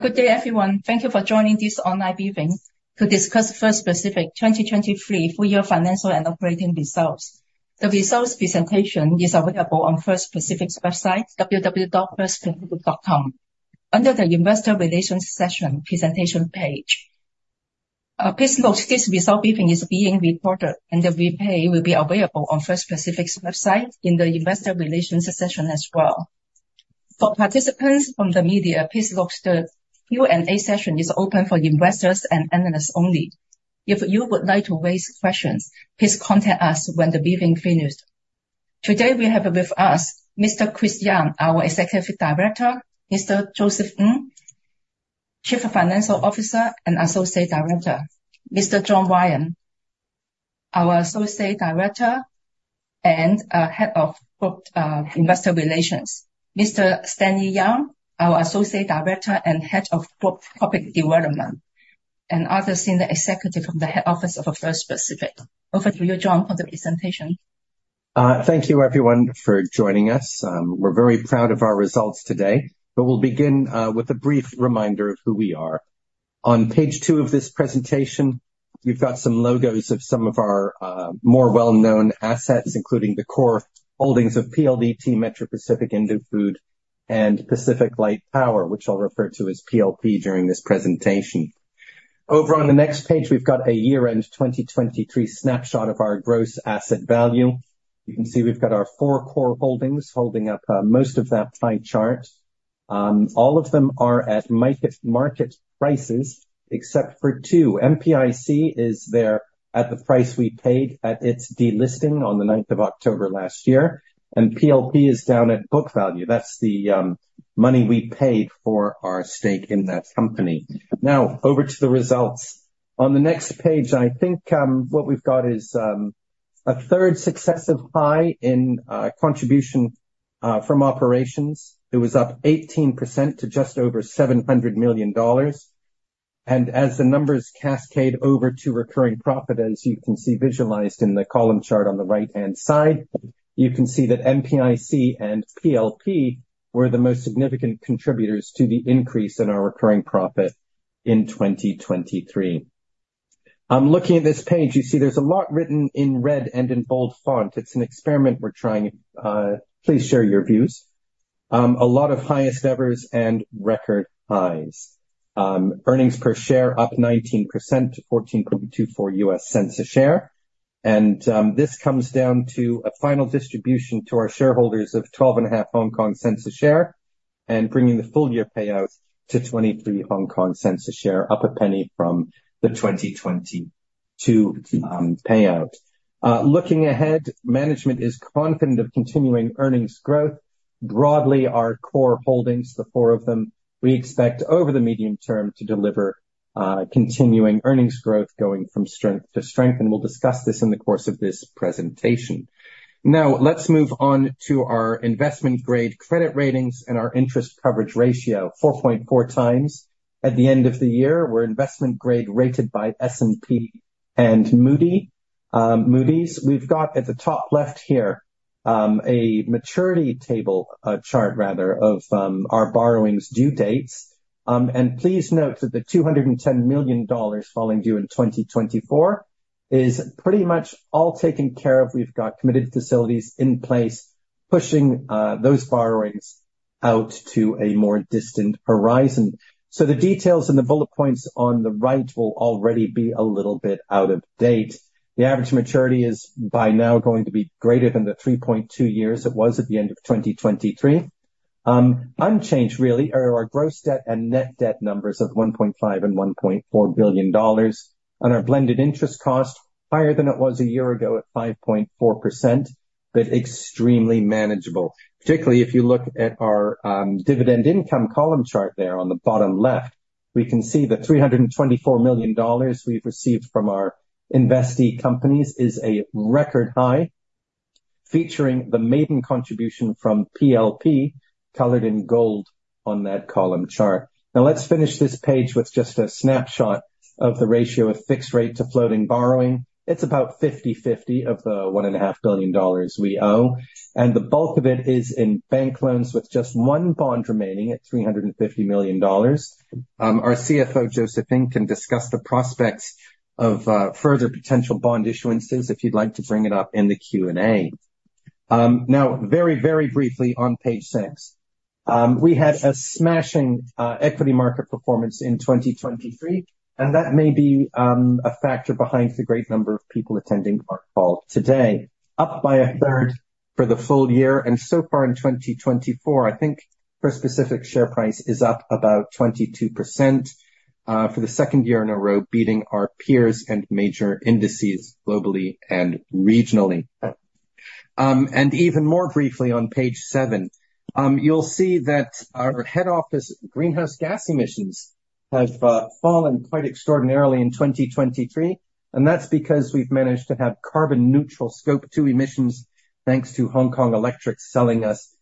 Good day, everyone. Thank you for joining this online briefing to discuss First Pacific 2023 full-year financial and operating results. The results presentation is available on First Pacific's website, www.firstpacific.com, under the Investor Relations section presentation page. Please note this result briefing is being recorded, and the replay will be available on First Pacific's website in the Investor Relations section as well. For participants from the media, please note the Q&A session is open for investors and analysts only. If you would like to raise questions, please contact us when the briefing finishes. Today we have with us Mr. Christopher Young, our Executive Director; Mr. Joseph Ng, Chief Financial Officer and Associate Director; Mr. John Ryan, our Associate Director and Head of Investor Relations; Mr. Stanley Yang, our Associate Director and Head of Corporate Development; and others in the executive from the head office of First Pacific. Over to you, John, for the presentation. Thank you, everyone, for joining us. We're very proud of our results today, but we'll begin with a brief reminder of who we are. On page two of this presentation, you've got some logos of some of our more well-known assets, including the core holdings of PLDT, Metro Pacific, Indofood, and PacificLight Power, which I'll refer to as PLP during this presentation. Over on the next page, we've got a year-end 2023 snapshot of our gross asset value. You can see we've got our four core holdings holding up most of that pie chart. All of them are at market prices, except for two. MPIC is there at the price we paid at its delisting on the 9th of October last year, and PLP is down at book value. That's the money we paid for our stake in that company. Now, over to the results. On the next page, I think what we've got is a third successive high in contribution from operations. It was up 18% to just over $700 million. And as the numbers cascade over to recurring profit, as you can see visualized in the column chart on the right-hand side, you can see that MPIC and PLP were the most significant contributors to the increase in our recurring profit in 2023. Looking at this page, you see there's a lot written in red and in bold font. It's an experiment we're trying. Please share your views. A lot of highest-evers and record highs. Earnings per share up 19% to $0.1424 a share. And this comes down to a final distribution to our shareholders of 0.125 a share, and bringing the full-year payout to 0.23 a share, up a penny from the 2022 payout. Looking ahead, management is confident of continuing earnings growth. Broadly, our core holdings, the four of them, we expect over the medium term to deliver continuing earnings growth going from strength to strength, and we'll discuss this in the course of this presentation. Now, let's move on to our investment-grade credit ratings and our interest coverage ratio, 4.4 times. At the end of the year, we're investment-grade rated by S&P and Moody's. We've got, at the top left here, a maturity table chart, rather, of our borrowings due dates. And please note that the $210 million falling due in 2024 is pretty much all taken care of. We've got committed facilities in place pushing those borrowings out to a more distant horizon. So the details and the bullet points on the right will already be a little bit out of date. The average maturity is by now going to be greater than the 3.2 years it was at the end of 2023. Unchanged, really, are our gross debt and net debt numbers of $1.5 billion and $1.4 billion, and our blended interest cost, higher than it was a year ago at 5.4%, but extremely manageable. Particularly if you look at our dividend income column chart there on the bottom left, we can see the $324 million we've received from our investee companies is a record high, featuring the maiden contribution from PLP, colored in gold on that column chart. Now, let's finish this page with just a snapshot of the ratio of fixed rate to floating borrowing. It's about 50/50 of the $1.5 billion we owe, and the bulk of it is in bank loans, with just one bond remaining at $350 million. Our CFO, Joseph Ng, can discuss the prospects of further potential bond issuances if you'd like to bring it up in the Q&A. Now, very, very briefly, on page 6, we had a smashing equity market performance in 2023, and that may be a factor behind the great number of people attending our call today. Up by a third for the full year, and so far in 2024, I think First Pacific's share price is up about 22% for the second year in a row, beating our peers and major indices globally and regionally. And even more briefly, on page seven, you'll see that our head office greenhouse gas emissions have fallen quite extraordinarily in 2023, and that's because we've managed to have carbon-neutral Scope 2 emissions thanks to Hong Kong Electric selling us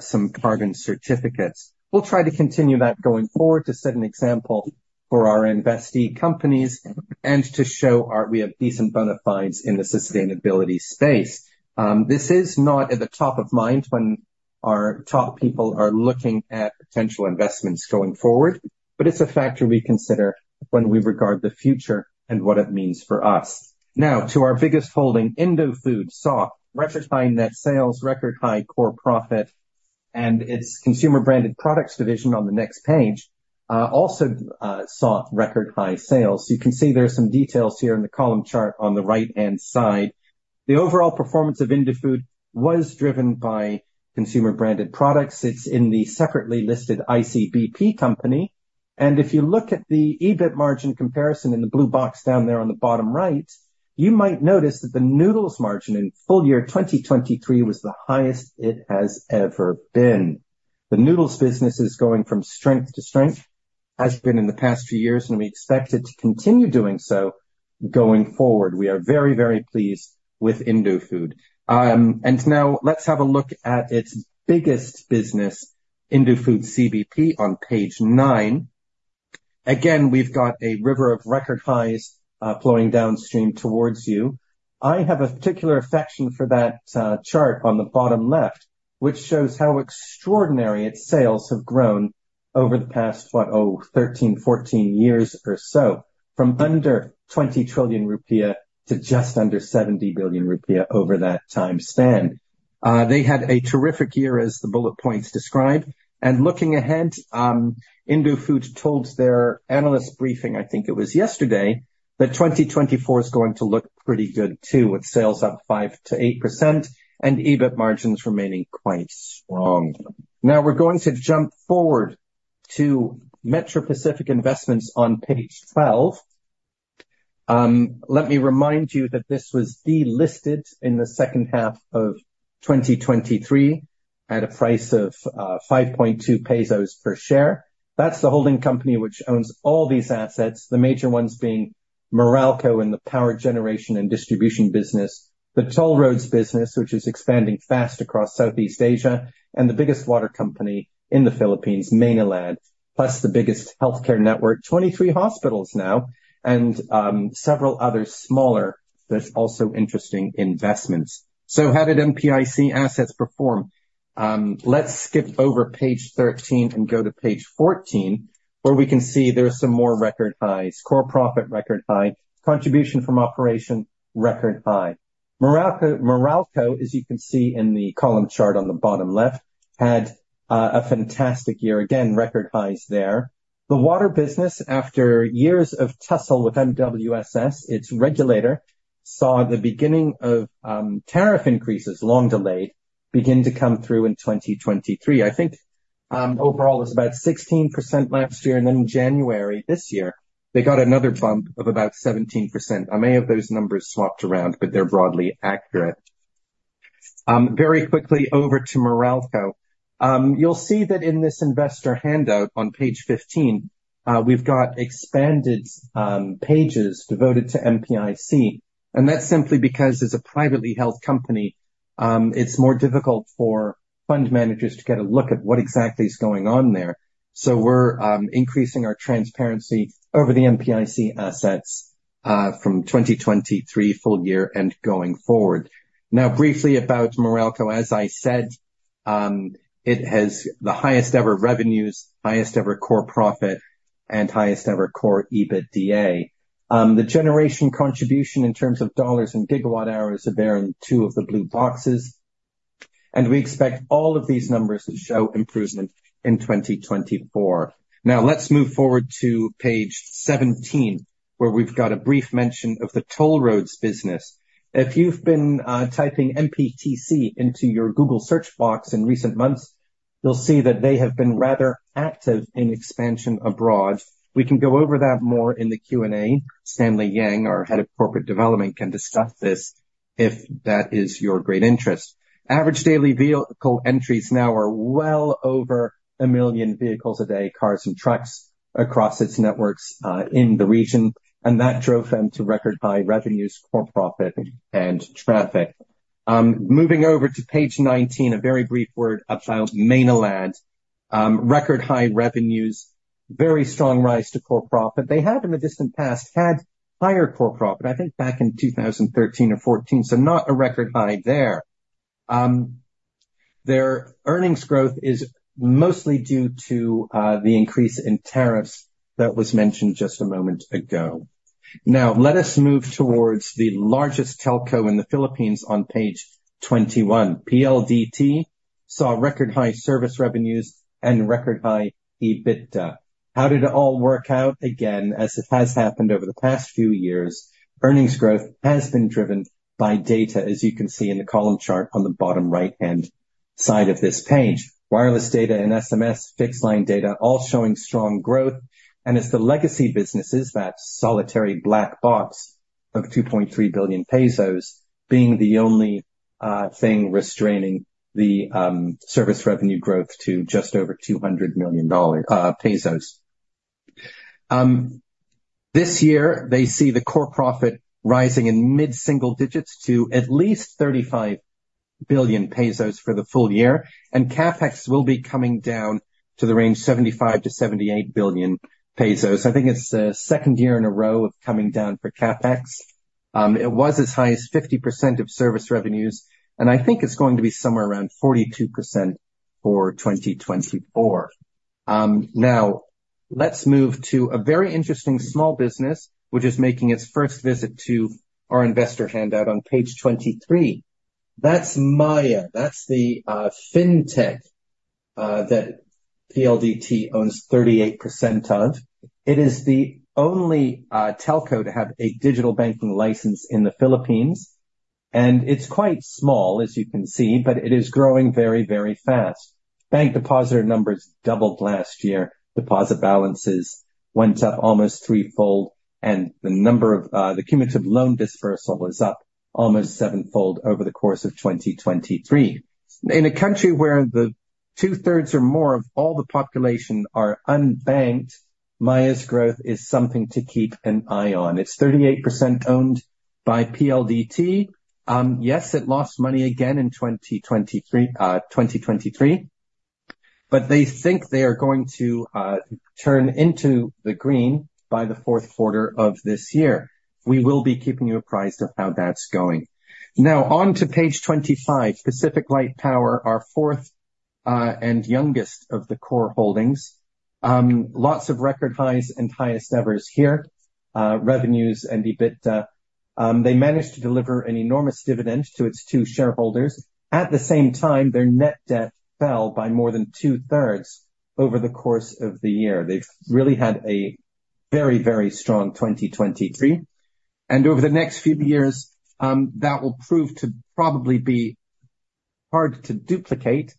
some carbon certificates. We'll try to continue that going forward to set an example for our investee companies and to show we have decent bona fides in the sustainability space. This is not at the top of mind when our top people are looking at potential investments going forward, but it's a factor we consider when we regard the future and what it means for us. Now, to our biggest holding, Indofood, saw record high net sales, record high core profit, and its consumer-branded products division on the next page also saw record high sales. You can see there are some details here in the column chart on the right-hand side. The overall performance of Indofood was driven by consumer-branded products. It's in the separately listed ICBP company. And if you look at the EBIT margin comparison in the blue box down there on the bottom right, you might notice that the noodles margin in full year 2023 was the highest it has ever been. The noodles business is going from strength to strength, has been in the past few years, and we expect it to continue doing so going forward. We are very, very pleased with Indofood. And now, let's have a look at its biggest business, Indofood CBP, on page nine. Again, we've got a river of record highs flowing downstream towards you. I have a particular affection for that chart on the bottom left, which shows how extraordinary its sales have grown over the past, what, oh, 13, 14 years or so, from under 20 trillion rupiah to just under 70 trillion rupiah over that time span. They had a terrific year, as the bullet points describe. Looking ahead, Indofood told their analyst briefing, I think it was yesterday, that 2024 is going to look pretty good too, with sales up 5% to 8% and EBIT margins remaining quite strong. Now, we're going to jump forward to Metro Pacific Investments on page 12. Let me remind you that this was delisted in the second half of 2023 at a price of 5.2 pesos per share. That's the holding company which owns all these assets, the major ones being Meralco in the power generation and distribution business, the toll roads business which is expanding fast across Southeast Asia, and the biggest water company in the Philippines, Maynilad, plus the biggest healthcare network, 23 hospitals now, and several other smaller but also interesting investments. So how did MPIC assets perform? Let's skip over page 13 and go to page 14, where we can see there are some more record highs: core profit record high, contribution from operations record high. Meralco, as you can see in the column chart on the bottom left, had a fantastic year. Again, record highs there. The water business, after years of tussle with MWSS, its regulator, saw the beginning of tariff increases, long delayed, begin to come through in 2023. I think overall it was about 16% last year, and then in January this year, they got another bump of about 17%. I may have those numbers swapped around, but they're broadly accurate. Very quickly, over to Meralco. You'll see that in this investor handout on page 15, we've got expanded pages devoted to MPIC, and that's simply because, as a privately held company, it's more difficult for fund managers to get a look at what exactly is going on there. So we're increasing our transparency over the MPIC assets from 2023 full year and going forward. Now, briefly about Meralco. As I said, it has the highest-ever revenues, highest-ever core profit, and highest-ever core EBITDA. The generation contribution in terms of dollars and gigawatt-hours are there in two of the blue boxes, and we expect all of these numbers to show improvement in 2024. Now, let's move forward to page 17, where we've got a brief mention of the toll roads business. If you've been typing MPTC into your Google search box in recent months, you'll see that they have been rather active in expansion abroad. We can go over that more in the Q&A. Stanley Yang, our Head of Corporate Development, can discuss this if that is your great interest. Average daily vehicle entries now are well over 1 million vehicles a day, cars and trucks, across its networks in the region, and that drove them to record high revenues, core profit, and traffic. Moving over to page 19, a very brief word about Maynilad. Record high revenues, very strong rise to core profit. They had, in the distant past, had higher core profit, I think back in 2013 or 2014, so not a record high there. Their earnings growth is mostly due to the increase in tariffs that was mentioned just a moment ago. Now, let us move towards the largest telco in the Philippines on page 21. PLDT saw record high service revenues and record high EBITDA. How did it all work out? Again, as it has happened over the past few years, earnings growth has been driven by data, as you can see in the column chart on the bottom right-hand side of this page. Wireless data and SMS, fixed line data, all showing strong growth. And as the legacy businesses, that solitary black box of 2.3 billion pesos, being the only thing restraining the service revenue growth to just over 200 million pesos. This year, they see the core profit rising in mid-single digits to at least 35 billion pesos for the full year, and CapEx will be coming down to the range of 75 billion-78 billion pesos. I think it's the second year in a row of coming down for CapEx. It was as high as 50% of service revenues, and I think it's going to be somewhere around 42% for 2024. Now, let's move to a very interesting small business which is making its first visit to our investor handout on page 23. That's Maya. That's the fintech that PLDT owns 38% of. It is the only telco to have a digital banking license in the Philippines, and it's quite small, as you can see, but it is growing very, very fast. Bank depositor numbers doubled last year. Deposit balances went up almost threefold, and the cumulative loan disbursal is up almost sevenfold over the course of 2023. In a country where two-thirds or more of all the population are unbanked, Maya's growth is something to keep an eye on. It's 38% owned by PLDT. Yes, it lost money again in 2023, but they think they are going to turn into the green by the fourth quarter of this year. We will be keeping you apprised of how that's going. Now, on to page 25. PacificLight Power, our fourth and youngest of the core holdings. Lots of record highs and highest evers here, revenues and EBITDA. They managed to deliver an enormous dividend to its two shareholders. At the same time, their net debt fell by more than two-thirds over the course of the year. They've really had a very, very strong 2023. And over the next few years, that will prove to probably be hard to duplicate,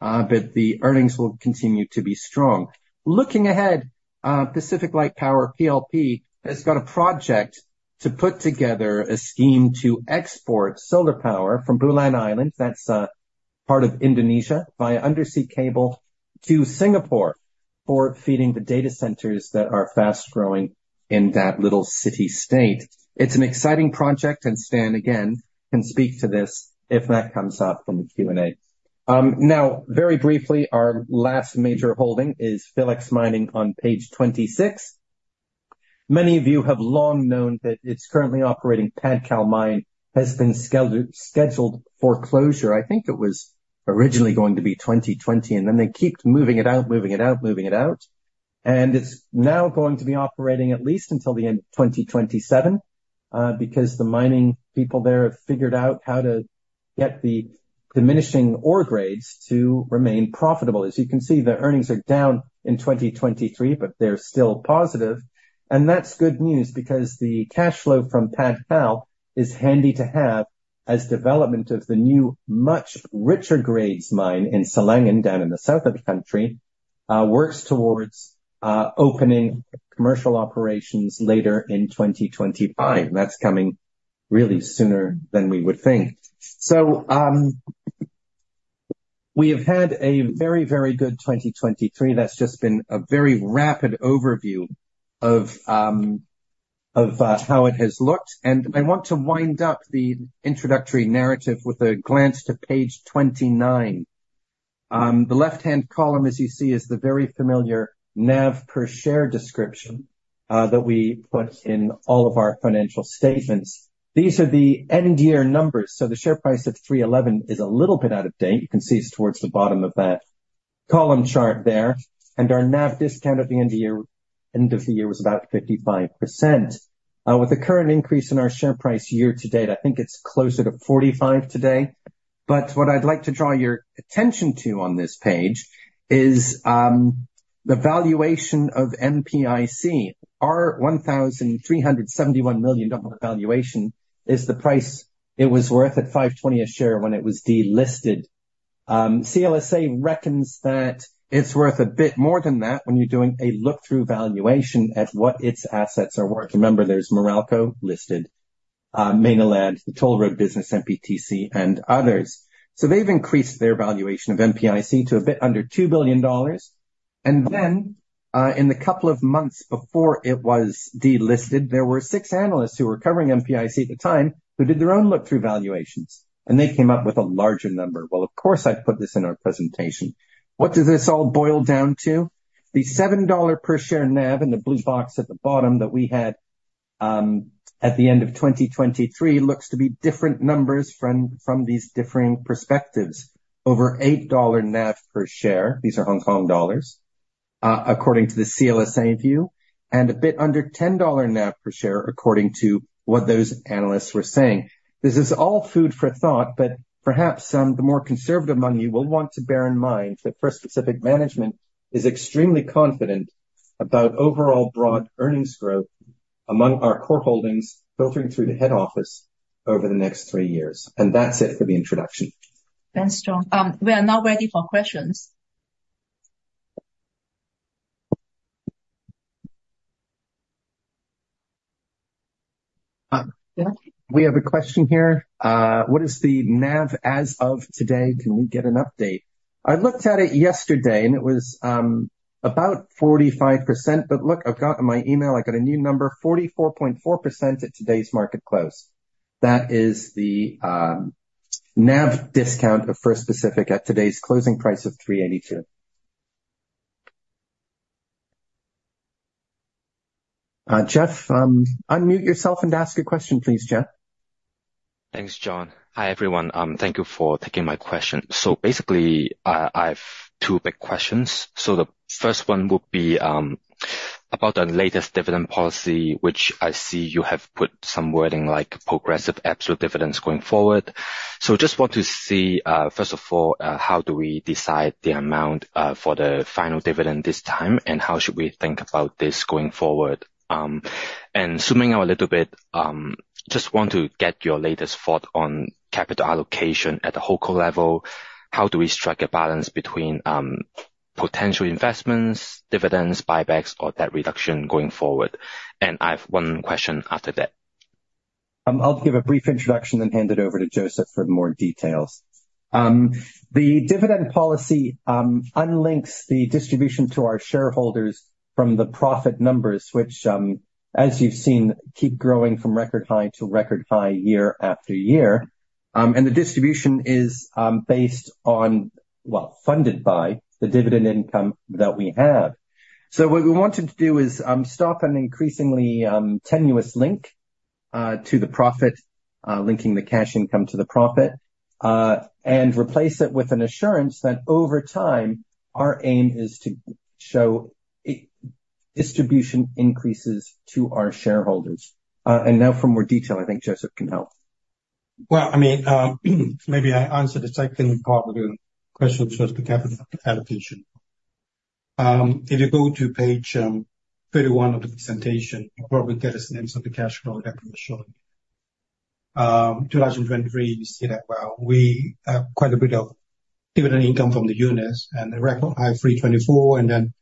but the earnings will continue to be strong. Looking ahead, PacificLight Power, PLP, has got a project to put together a scheme to export solar power from Bulan Island (that's part of Indonesia) via undersea cable to Singapore for feeding the data centers that are fast-growing in that little city-state. It's an exciting project, and Stan, again, can speak to this if that comes up in the Q&A. Now, very briefly, our last major holding is Philex Mining on page 26. Many of you have long known that it's currently operating Padcal Mine has been scheduled for closure. I think it was originally going to be 2020, and then they kept moving it out, moving it out, moving it out. And it's now going to be operating at least until the end of 2027 because the mining people there have figured out how to get the diminishing ore grades to remain profitable. As you can see, the earnings are down in 2023, but they're still positive. And that's good news because the cash flow from Padcal is handy to have as development of the new, much richer grades mine in Silangan down in the south of the country works towards opening commercial operations later in 2025. That's coming really sooner than we would think. So we have had a very, very good 2023. That's just been a very rapid overview of how it has looked. And I want to wind up the introductory narrative with a glance to page 29. The left-hand column, as you see, is the very familiar NAV per share description that we put in all of our financial statements. These are the end-year numbers. So the share price of 3.11 is a little bit out of date. You can see it's towards the bottom of that column chart there. And our NAV discount at the end of the year was about 55%. With the current increase in our share price year to date, I think it's closer to 45% today. But what I'd like to draw your attention to on this page is the valuation of MPIC. Our $1,371 million valuation is the price it was worth at $520 a share when it was delisted. CLSA reckons that it's worth a bit more than that when you're doing a look-through valuation at what its assets are worth. Remember, there's Meralco listed, Maynilad, the toll road business, MPTC, and others. So they've increased their valuation of MPIC to a bit under $2 billion. And then, in the couple of months before it was delisted, there were six analysts who were covering MPIC at the time who did their own look-through valuations, and they came up with a larger number. Well, of course, I'd put this in our presentation. What does this all boil down to? The $7 per share NAV in the blue box at the bottom that we had at the end of 2023 looks to be different numbers from these differing perspectives. Over 8 dollar NAV per share (these are Hong Kong dollars, according to the CLSA view) and a bit under 10 dollar NAV per share, according to what those analysts were saying. This is all food for thought, but perhaps the more conservative among you will want to bear in mind that First Pacific Management is extremely confident about overall broad earnings growth among our core holdings filtering through the head office over the next three years. That's it for the introduction. Thanks, John. We are now ready for questions. We have a question here. "What is the NAV as of today? Can we get an update?" I looked at it yesterday, and it was about 45%. But look, I've got in my email, I got a new number: 44.4% at today's market close. That is the NAV discount of First Pacific at today's closing price of HK$3.82. Jeff, unmute yourself and ask a question, please, Jeff. Thanks, John. Hi, everyone. Thank you for taking my question. So basically, I have two big questions. So the first one would be about the latest dividend policy, which I see you have put some wording like progressive absolute dividends going forward. So just want to see, first of all, how do we decide the amount for the final dividend this time, and how should we think about this going forward? And zooming out a little bit, just want to get your latest thought on capital allocation at the whole core level. How do we strike a balance between potential investments, dividends, buybacks, or debt reduction going forward? And I have one question after that. I'll give a brief introduction then hand it over to Joseph for more details. The dividend policy unlinks the distribution to our shareholders from the profit numbers, which, as you've seen, keep growing from record high to record high year after year. The distribution is based on, well, funded by the dividend income that we have. What we wanted to do is stop an increasingly tenuous link to the profit, linking the cash income to the profit, and replace it with an assurance that, over time, our aim is to show distribution increases to our shareholders. Now for more detail, I think Joseph can help. Well, I mean, maybe I answered a second part of the question, Joseph, the capital allocation. If you go to page 31 of the presentation, you'll probably get a sense of the cash flow that we were showing. 2023, you see that, well, we have quite a bit of dividend income from the units and the record high of $324. And then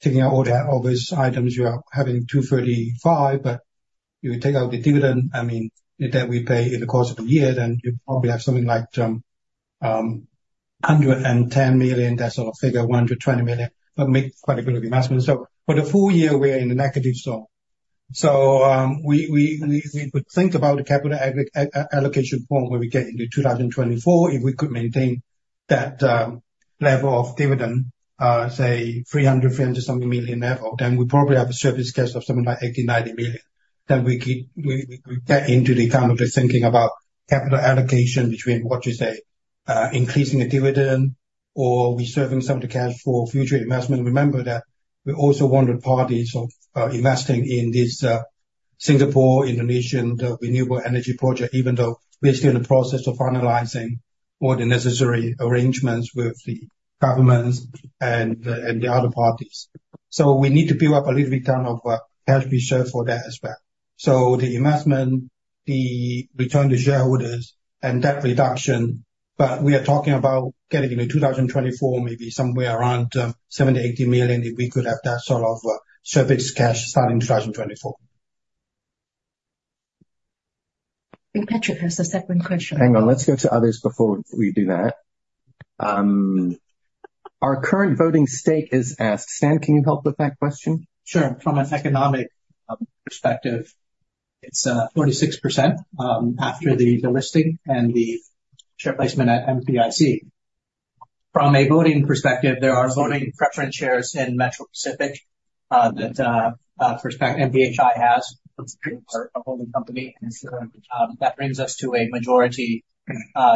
taking out all these items, you are having $235. But if you take out the dividend, I mean, that we pay in the course of the year, then you probably have something like $110 million, that sort of figure, $120 million, but make quite a bit of investment. So for the full year, we're in a negative zone. So we could think about the capital allocation point where we get into 2024, if we could maintain that level of dividend, say, $300 to $300-something million level, then we probably have a service cash flow of something like $80 to $90 million. Then we get into the kind of thinking about capital allocation between what you say, increasing the dividend, or reserving some of the cash for future investment. Remember that we're also one of the parties investing in this Singapore-Indonesian renewable energy project, even though we're still in the process of finalizing all the necessary arrangements with the governments and the other parties. So we need to build up a little bit of cash reserve for that as well. So the investment, the return to shareholders, and debt reduction. But we are talking about getting into 2024, maybe somewhere around $70-$80 million if we could have that sort of service cash starting 2024. I think Patrick has a second question. Hang on. Let's go to others before we do that. Our current voting stake is asked. Stan, can you help with that question? Sure. From an economic perspective, it's 46% after the delisting and the share placement at MPIC. From a voting perspective, there are voting preference shares in Metro Pacific that MPIC has. It's a holding company. That brings us to a majority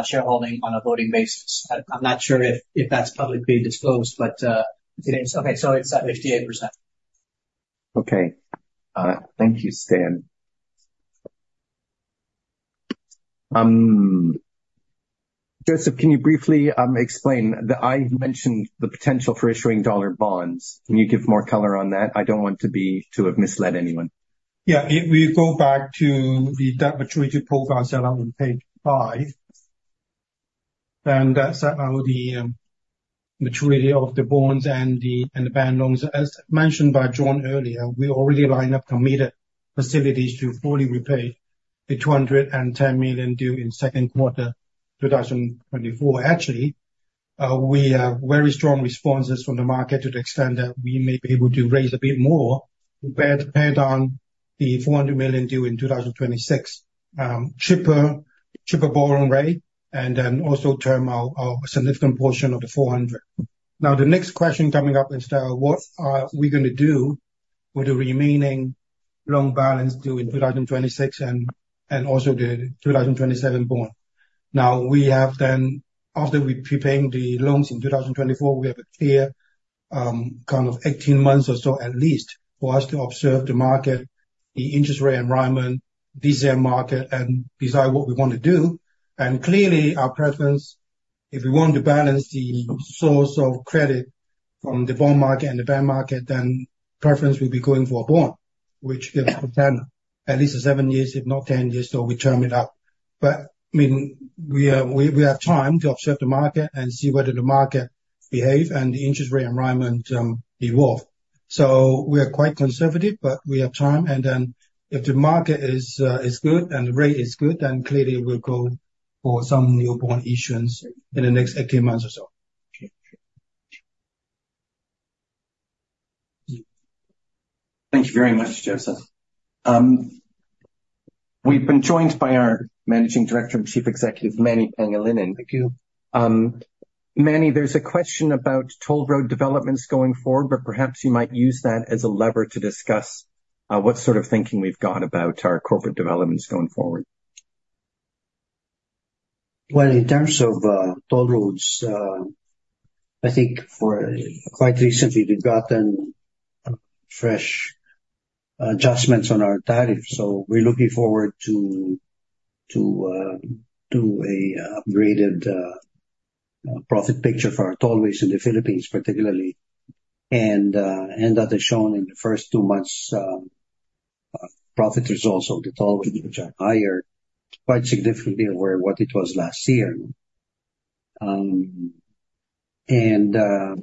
shareholding on a voting basis. I'm not sure if that's publicly disclosed, but it is. Okay. So it's at 58%. Okay. Thank you, Stan. Joseph, can you briefly explain? I mentioned the potential for issuing dollar bonds. Can you give more color on that? I don't want to have misled anyone. Yeah. If we go back to the debt maturity profile set out on page 5, then that's now the maturity of the bonds and the bond loans. As mentioned by John earlier, we already line up committed facilities to fully repay the $210 million due in second quarter 2024. Actually, we have very strong responses from the market to the extent that we may be able to raise a bit more to pay down the $400 million due in 2026, cheaper borrowing rate, and then also term out a significant portion of the $400. Now, the next question coming up is, though, what are we going to do with the remaining loan balance due in 2026 and also the 2027 bond? Now, after we prepay the loans in 2024, we have a clear kind of 18 months or so at least for us to observe the market, the interest rate environment, this year market, and decide what we want to do. And clearly, our preference, if we want to balance the source of credit from the bond market and the bond market, then preference will be going for a bond, which gives us a tenor, at least seven years, if not 10 years, so we term it out. But I mean, we have time to observe the market and see whether the market behaves and the interest rate environment evolves. So we are quite conservative, but we have time. And then if the market is good and the rate is good, then clearly we'll go for some new bond issuance in the next 18 months or so. Thank you very much, Joseph. We've been joined by our Managing Director and Chief Executive, Manny Pangilinan. Thank you. Manny, there's a question about toll road developments going forward, but perhaps you might use that as a lever to discuss what sort of thinking we've got about our corporate developments going forward. Well, in terms of toll roads, I think quite recently, we've gotten fresh adjustments on our tariffs. So we're looking forward to doing an upgraded profit picture for our tollways in the Philippines, particularly. And as shown in the first two months, profit results of the tollways, which are higher, quite significantly over what it was last year. And there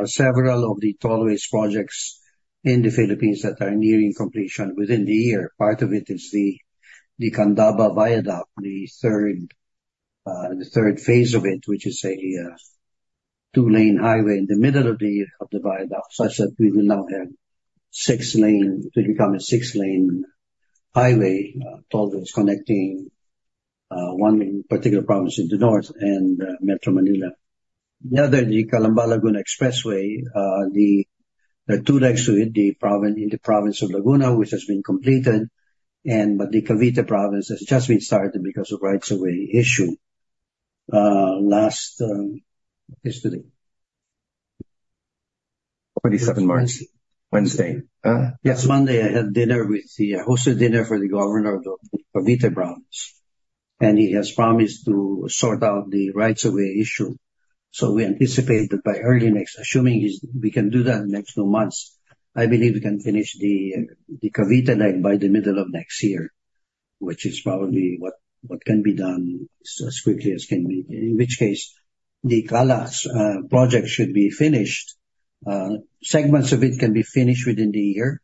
are several of the tollways projects in the Philippines that are nearing completion within the year. Part of it is the Candaba Viaduct, the third phase of it, which is a two-lane highway in the middle of the viaduct, such that we will now have six-lane to become a six-lane highway, tollways connecting one particular province in the north and Metro Manila. The other, the Cavite-Laguna Expressway, there are two legs to it, in the province of Laguna, which has been completed, but the Cavite province has just been started because of a right-of-way issue yesterday. 27th March, Wednesday. Yes. Monday, I had dinner with the host of dinner for the governor of the Cavite province. And he has promised to sort out the right-of-way issue. So we anticipate that by early next year assuming we can do that next two months, I believe we can finish the Cavite leg by the middle of next year, which is probably what can be done as quickly as can be. In which case, the CALAX project should be finished. Segments of it can be finished within the year,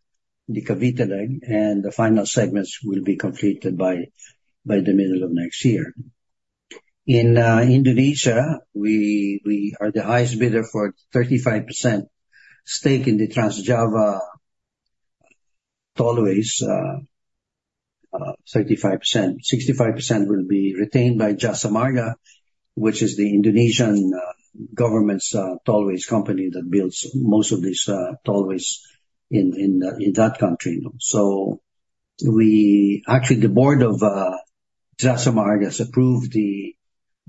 the Cavite leg, and the final segments will be completed by the middle of next year. In Indonesia, we are the highest bidder for 35% stake in the Trans-Java tollways, 35%. 65% will be retained by Jasa Marga, which is the Indonesian government's tollways company that builds most of these tollways in that country. So actually, the board of Jasa Marga has approved the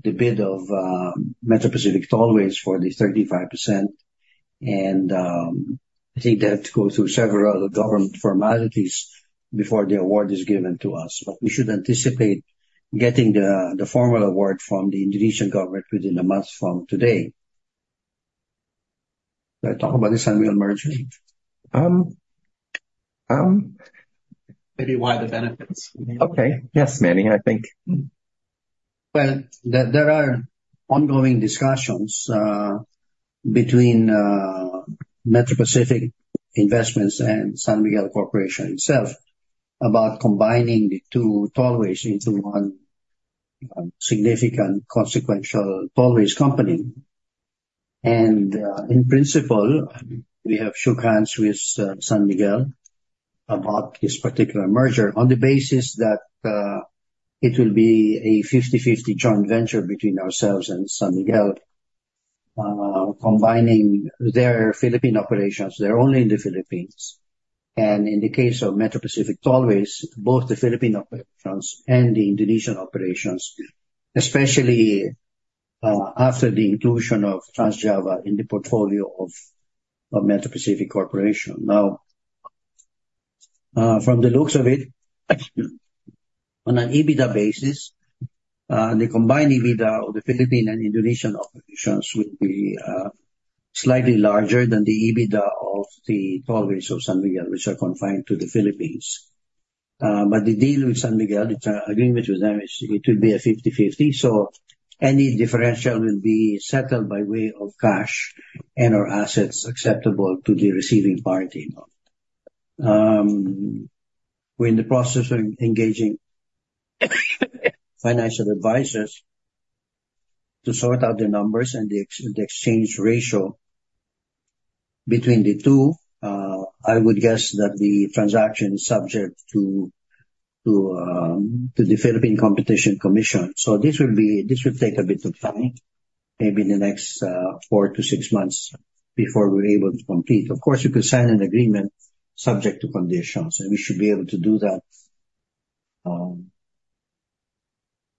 bid of Metro Pacific Tollways for the 35%. And I think they have to go through several government formalities before the award is given to us. But we should anticipate getting the formal award from the Indonesian government within a month from today. Do I talk about this, San Miguel merger? Maybe why the benefits. Okay. Yes, Manny, I think. Well, there are ongoing discussions between Metro Pacific Investments and San Miguel Corporation itself about combining the two tollways into one significant, consequential tollways company. In principle, we have shook hands with San Miguel about this particular merger on the basis that it will be a 50/50 joint venture between ourselves and San Miguel, combining their Philippine operations. They're only in the Philippines. In the case of Metro Pacific Tollways, both the Philippine operations and the Indonesian operations, especially after the inclusion of Trans-Java in the portfolio of Metro Pacific Corporation. Now, from the looks of it, on an EBITDA basis, the combined EBITDA of the Philippine and Indonesian operations will be slightly larger than the EBITDA of the tollways of San Miguel, which are confined to the Philippines. The deal with San Miguel, the agreement with them, is it will be a 50/50. So any differential will be settled by way of cash and/or assets acceptable to the receiving party. We're in the process of engaging financial advisors to sort out the numbers and the exchange ratio between the two. I would guess that the transaction is subject to the Philippine Competition Commission. So this will take a bit of time, maybe in the next 4-6 months, before we're able to complete. Of course, you could sign an agreement subject to conditions. And we should be able to do that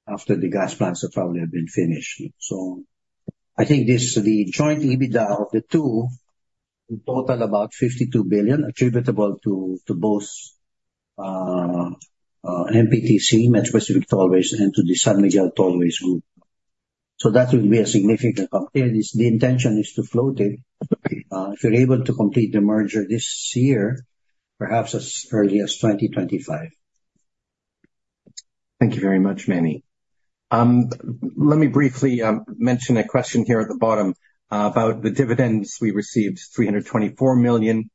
after the gas plants have probably been finished. So I think the joint EBITDA of the two, in total, about $52 billion attributable to both MPTC, Metro Pacific Tollways, and to the San Miguel Tollways Group. That will be a significant comparison because the intention is to float it if you're able to complete the merger this year, perhaps as early as 2025. Thank you very much, Manny. Let me briefly mention a question here at the bottom about the dividends we received, $324 million,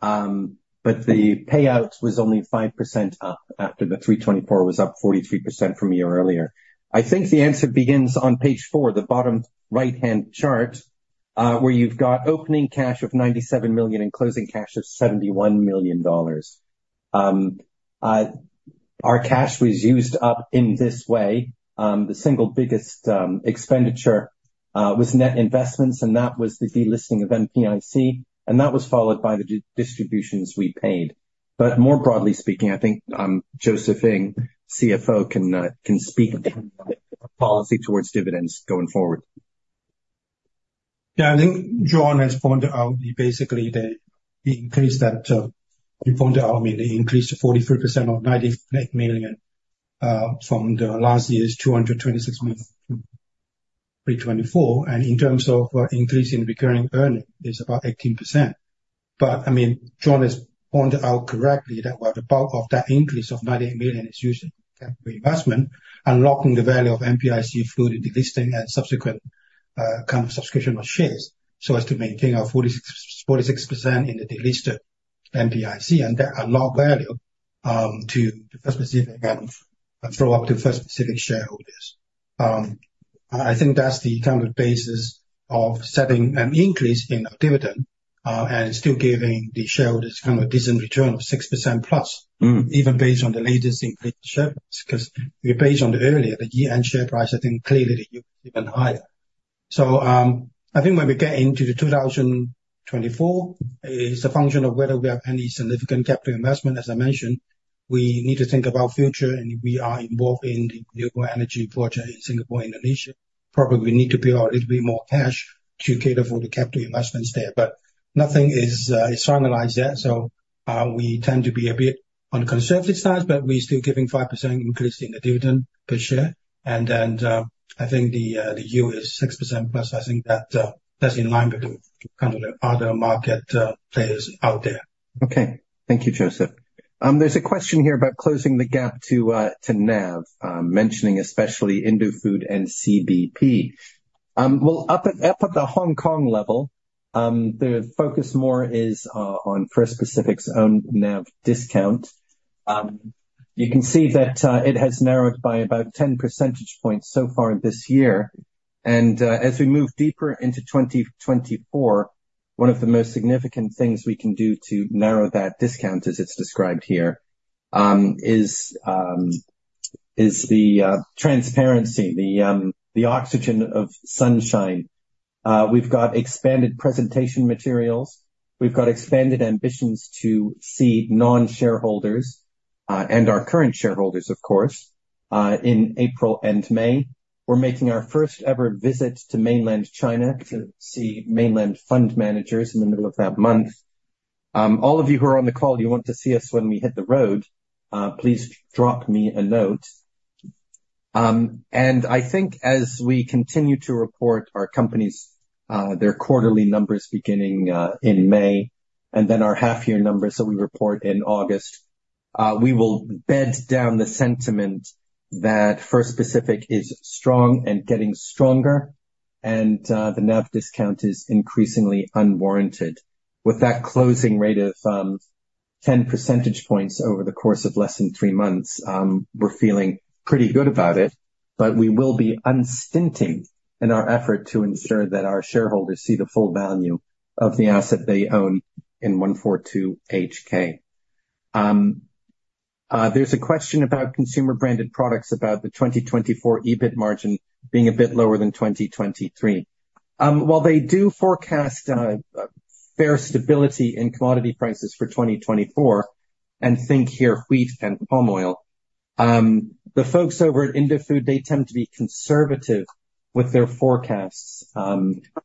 but the payout was only 5% up after the $324 was up 43% from a year earlier. I think the answer begins on page 4, the bottom right-hand chart, where you've got opening cash of $97 million and closing cash of $71 million. Our cash was used up in this way. The single biggest expenditure was net investments, and that was the delisting of MPIC. And that was followed by the distributions we paid. But more broadly speaking, I think Joseph Ng, CFO, can speak on policy towards dividends going forward. Yeah. I think John has pointed out basically the increase that he pointed out, I mean, the increase to 43% of $98 million from last year's $226 million, $324. And in terms of increase in recurring earning, it's about 18%. But I mean, John has pointed out correctly that about half of that increase of $98 million is used for capital reinvestment, unlocking the value of MPIC through the delisting and subsequent kind of subscription of shares so as to maintain our 46% in the delisted MPIC and that unlock value to the First Pacific and flow up to First Pacific shareholders. I think that's the kind of basis of setting an increase in our dividend and still giving the shareholders kind of a decent return of 6%+, even based on the latest increase in share price. Because if you're based on the earlier, the year-end share price, I think, clearly the year was even higher. So I think when we get into 2024, it's a function of whether we have any significant capital investment. As I mentioned, we need to think about future, and we are involved in the renewable energy project in Singapore, Indonesia. Probably we need to build a little bit more cash to cater for the capital investments there. But nothing is finalized yet. So we tend to be a bit on the conservative side, but we're still giving 5% increase in the dividend per share. And then I think the yield is 6%+. I think that's in line with kind of the other market players out there. Okay. Thank you, Joseph. There's a question here about closing the gap to NAV, mentioning especially Indofood and CBP. Well, up at the Hong Kong level, the focus more is on First Pacific's own NAV discount. You can see that it has narrowed by about 10 percentage points so far this year. And as we move deeper into 2024, one of the most significant things we can do to narrow that discount, as it's described here, is the transparency, the oxygen of sunshine. We've got expanded presentation materials. We've got expanded ambitions to see non-shareholders and our current shareholders, of course, in April and May. We're making our first-ever visit to mainland China to see mainland fund managers in the middle of that month. All of you who are on the call, you want to see us when we hit the road, please drop me a note. I think as we continue to report our company's quarterly numbers beginning in May and then our half-year numbers that we report in August, we will bed down the sentiment that First Pacific is strong and getting stronger, and the NAV discount is increasingly unwarranted. With that closing rate of 10 percentage points over the course of less than three months, we're feeling pretty good about it. But we will be unstinting in our effort to ensure that our shareholders see the full value of the asset they own in 142HK. There's a question about consumer-branded products, about the 2024 EBIT margin being a bit lower than 2023. While they do forecast fair stability in commodity prices for 2024 and think here wheat and palm oil, the folks over at Indofood, they tend to be conservative with their forecasts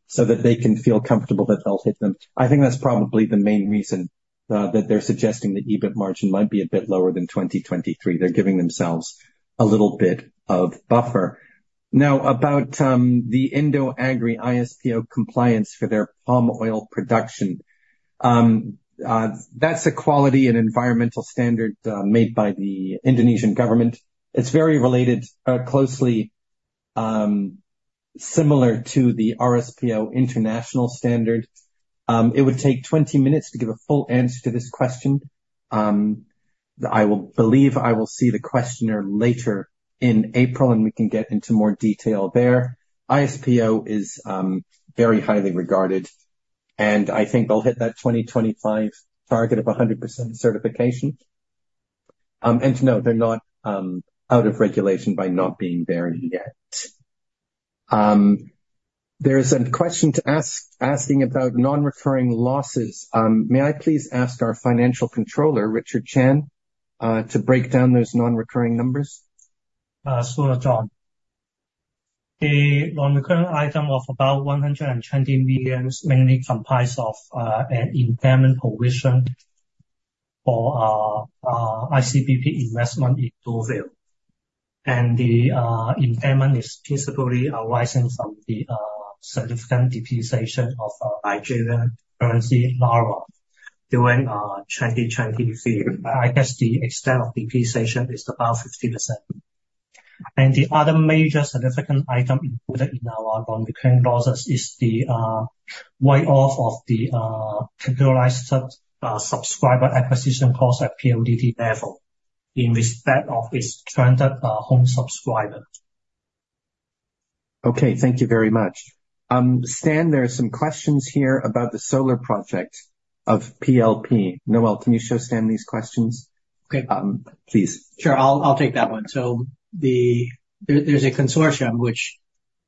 so that they can feel comfortable that they'll hit them. I think that's probably the main reason that they're suggesting the EBIT margin might be a bit lower than 2023. They're giving themselves a little bit of buffer. Now, about the IndoAgri ISPO compliance for their palm oil production, that's a quality and environmental standard made by the Indonesian government. It's very related, closely similar to the RSPO international standard. It would take 20 minutes to give a full answer to this question. I believe I will see the questionnaire later in April, and we can get into more detail there. ISPO is very highly regarded. And I think they'll hit that 2025 target of 100% certification. And to note, they're not out of regulation by not being there yet. There is a question asking about non-recurring losses. May I please ask our financial controller, Richard Chan, to break down those non-recurring numbers? So, John, a non-recurring item of about 120 million mainly comprises an impairment provision for ICBP investment in Dufil. And the impairment is principally arising from the significant depreciation of Nigerian currency Naira during 2023. I guess the extent of depreciation is about 50%. And the other major significant item included in our non-recurring losses is the write-off of the capitalized subscriber acquisition cost at PLDT level in respect of its churned home subscriber. Okay. Thank you very much. Stan, there are some questions here about the solar project of PLP. Noel, can you show Stan these questions, please? Sure. I'll take that one. So there's a consortium which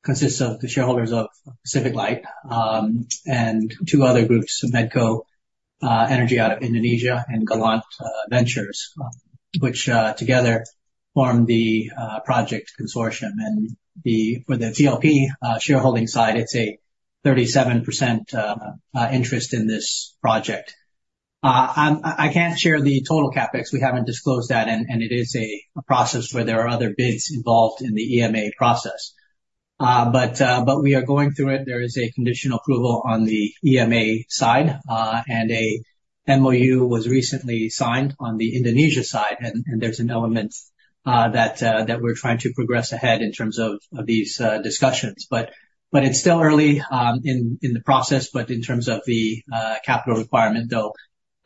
consists of the shareholders of Pacific Light and two other groups, MedcoEnergi out of Indonesia and Gallant Venture, which together form the project consortium. For the PLP shareholding side, it's a 37% interest in this project. I can't share the total CapEx. We haven't disclosed that. It is a process where there are other bids involved in the EMA process. But we are going through it. There is a conditional approval on the EMA side. An MOU was recently signed on the Indonesia side. There's an element that we're trying to progress ahead in terms of these discussions. But it's still early in the process. In terms of the capital requirement, though,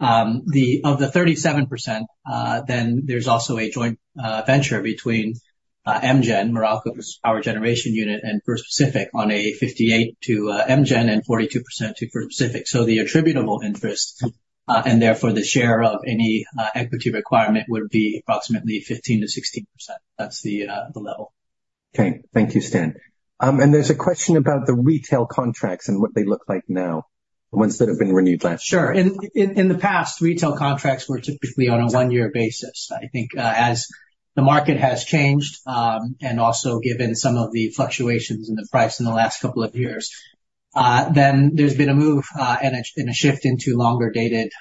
of the 37%, then there's also a joint venture between MGEN, Meralco's power generation unit, and First Pacific on a 58% to MGEN and 42% to First Pacific. So the attributable interest and therefore the share of any equity requirement would be approximately 15% to 16%. That's the level. Okay. Thank you, Stan. There's a question about the retail contracts and what they look like now, the ones that have been renewed last year. Sure. In the past, retail contracts were typically on a one-year basis. I think as the market has changed and also given some of the fluctuations in the price in the last couple of years, then there's been a move and a shift into longer-dated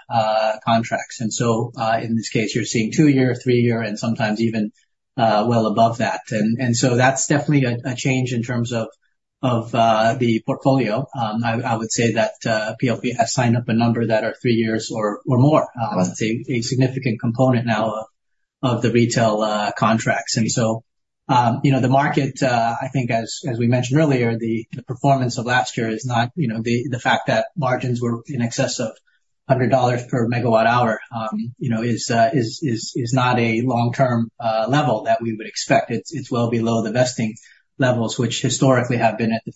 contracts. And so in this case, you're seeing two-year, three-year, and sometimes even well above that. And so that's definitely a change in terms of the portfolio. I would say that PLP has signed up a number that are three years or more. It's a significant component now of the retail contracts. And so the market, I think, as we mentioned earlier, the performance of last year is not the fact that margins were in excess of $100 per MWh is not a long-term level that we would expect. It's well below the vesting levels, which historically have been at the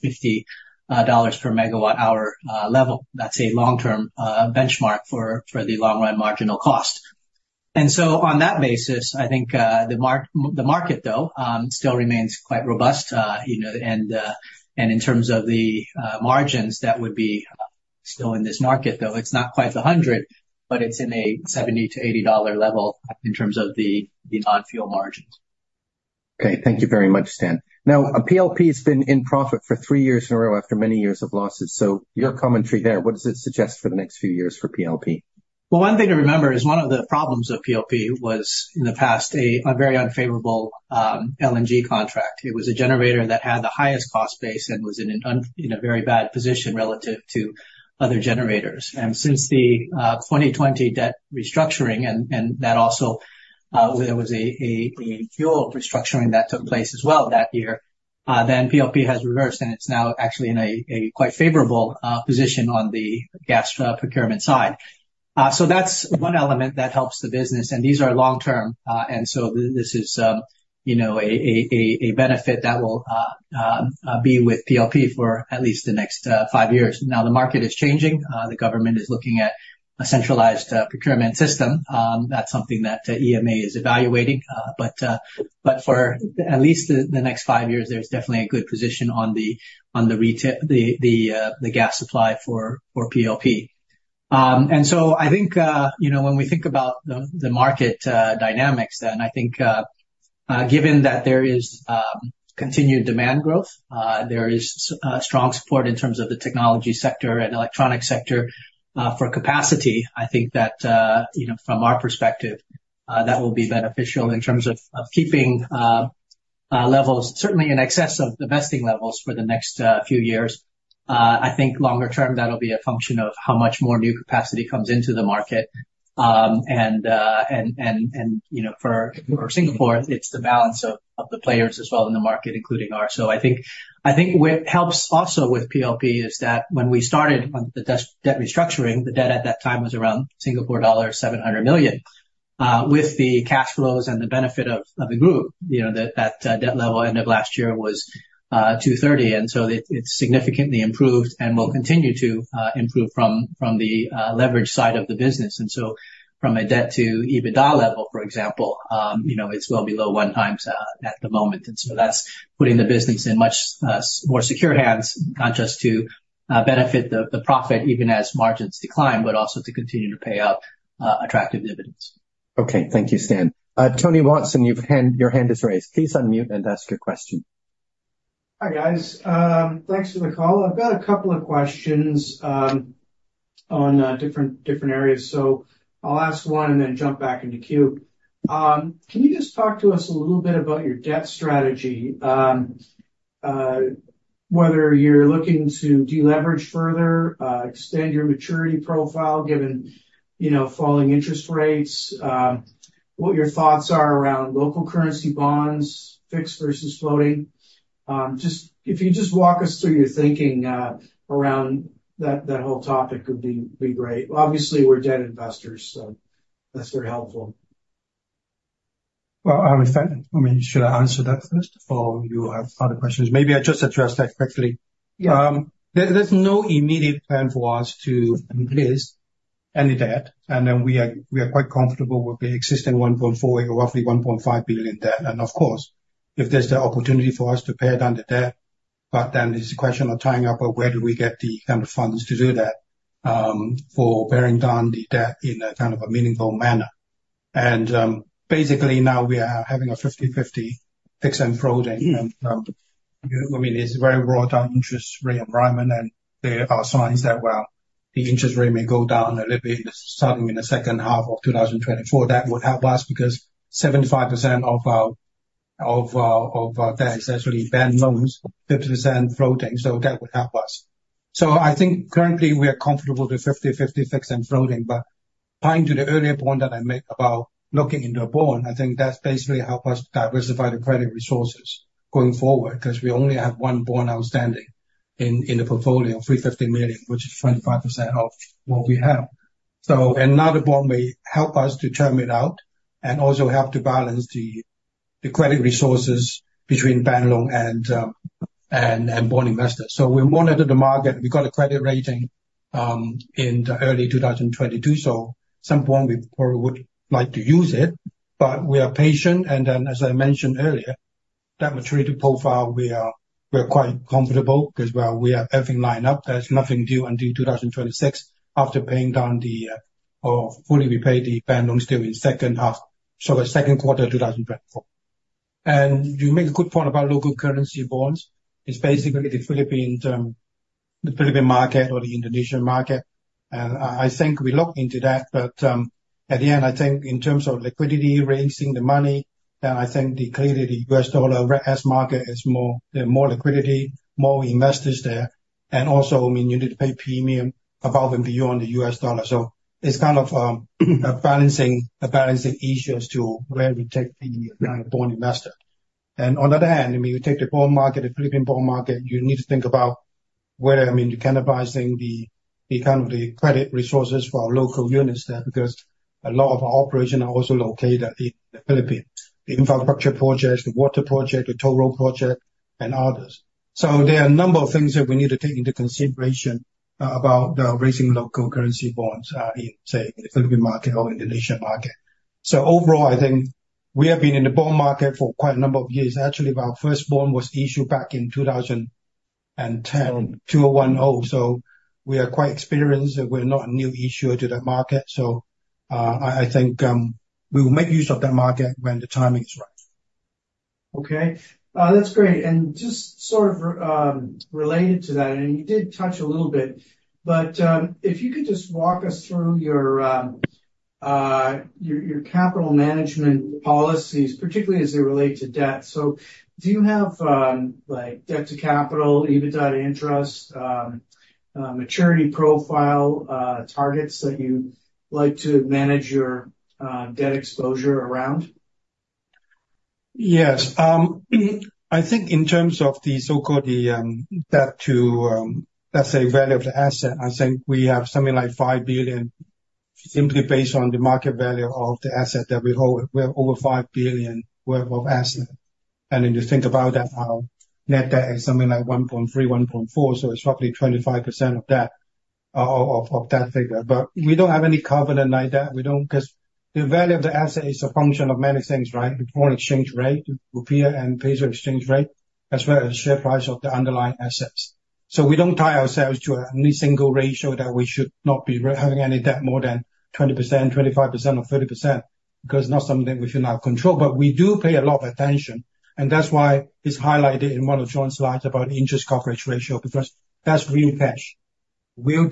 $50 per MWh level. That's a long-term benchmark for the long-run marginal cost. And so on that basis, I think the market, though, still remains quite robust. And in terms of the margins that would be still in this market, though, it's not quite the $100, but it's in a $70 to $80 dollar level in terms of the non-fuel margins. Okay. Thank you very much, Stan. Now, PLP has been in profit for three years in a row after many years of losses. So your commentary there, what does it suggest for the next few years for PLP? Well, one thing to remember is one of the problems of PLP was in the past a very unfavorable LNG contract. It was a generator that had the highest cost base and was in a very bad position relative to other generators. And since the 2020 debt restructuring and that also there was a fuel restructuring that took place as well that year, then PLP has reversed. And it's now actually in a quite favorable position on the gas procurement side. So that's one element that helps the business. And these are long-term. And so this is a benefit that will be with PLP for at least the next five years. Now, the market is changing. The government is looking at a centralized procurement system. That's something that EMA is evaluating. But for at least the next five years, there's definitely a good position on the gas supply for PLP. So I think when we think about the market dynamics, then I think given that there is continued demand growth, there is strong support in terms of the technology sector and electronic sector for capacity, I think that from our perspective, that will be beneficial in terms of keeping levels, certainly in excess of the vesting levels for the next few years. I think longer term, that'll be a function of how much more new capacity comes into the market. And for Singapore, it's the balance of the players as well in the market, including ours. So I think what helps also with PLP is that when we started on the debt restructuring, the debt at that time was around Singapore dollars 700 million. With the cash flows and the benefit of the group, that debt level end of last year was 230 million. It's significantly improved and will continue to improve from the leverage side of the business. From a debt to EBITDA level, for example, it's well below 1x at the moment. That's putting the business in much more secure hands, not just to benefit the profit even as margins decline, but also to continue to pay out attractive dividends. Okay. Thank you, Stan. Tony Watson, your hand is raised. Please unmute and ask your question. Hi, guys. Thanks for the call. I've got a couple of questions on different areas. So I'll ask one and then jump back into Q. Can you just talk to us a little bit about your debt strategy, whether you're looking to deleverage further, extend your maturity profile given falling interest rates, what your thoughts are around local currency bonds, fixed versus floating? If you just walk us through your thinking around that whole topic would be great. Obviously, we're debt investors, so that's very helpful. Well, I mean, should I answer that first or you have other questions? Maybe I just addressed that quickly. There's no immediate plan for us to replace any debt. We are quite comfortable with the existing $1.4 billion or roughly $1.5 billion debt. Of course, if there's the opportunity for us to pare down the debt, but then it's a question of tying up where do we get the kind of funds to do that for bearing down the debt in a kind of a meaningful manner. Basically, now we are having a 50/50 fixed and floating. I mean, it's very broad on interest rate environment. There are signs that, well, the interest rate may go down a little bit starting in the second half of 2024. That would help us because 75% of our debt is actually bank loans, 50% floating. So that would help us. So I think currently, we are comfortable with 50/50 fixed and floating. But tying to the earlier point that I made about looking into a bond, I think that's basically helped us diversify the credit resources going forward because we only have one bond outstanding in the portfolio, $350 million, which is 25% of what we have. So another bond may help us to term it out and also help to balance the credit resources between bank loan and bond investor. So we monitor the market. We got a credit rating in early 2022. So at some point, we probably would like to use it. But we are patient. And then, as I mentioned earlier, that maturity profile, we are quite comfortable because, well, we have everything lined up. There's nothing due until 2026 after paying down or fully repay the bond loans due in second half of 2024. You make a good point about local currency bonds. It's basically the Philippine market or the Indonesian market. I think we look into that. But at the end, I think in terms of liquidity raising the money, then I think clearly the U.S. dollar debt market is more liquidity, more investors there. And also, I mean, you need to pay premium above and beyond the U.S. dollar. So it's kind of a balancing issue as to where we take the kind of bond investor. On the other hand, I mean, you take the bond market, the Philippine bond market. You need to think about whether, I mean, you can advise on the kind of credit resources for our local units there because a lot of our operations are also located in the Philippines, the infrastructure project, the water project, the toll road project, and others. There are a number of things that we need to take into consideration about raising local currency bonds in, say, the Philippine market or Indonesian market. Overall, I think we have been in the bond market for quite a number of years. Actually, our first bond was issued back in 2010, 2010. We are quite experienced. We're not a new issuer to that market. I think we will make use of that market when the timing is right. Okay. That's great. And just sort of related to that, and you did touch a little bit, but if you could just walk us through your capital management policies, particularly as they relate to debt. So do you have debt to capital, EBITDA to interest, maturity profile targets that you like to manage your debt exposure around? Yes. I think in terms of the so-called debt to, let's say, value of the asset, I think we have something like $5 billion simply based on the market value of the asset that we hold. We have over $5 billion worth of asset. And then you think about that, our net debt is something like $1.3 to $1.4. So it's roughly 25% of that figure. But we don't have any covenant like that because the value of the asset is a function of many things, right? The foreign exchange rate, Rupiah, and Peso exchange rate, as well as share price of the underlying assets. So we don't tie ourselves to any single ratio that we should not be having any debt more than 20%, 25%, or 30% because it's not something we feel like control. But we do pay a lot of attention. That's why it's highlighted in one of John's slides about the interest coverage ratio because that's real cash, real